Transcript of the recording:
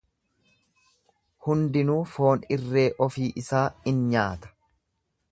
Hundinuu foon irree ofii isaa in nyaata.